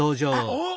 おっ！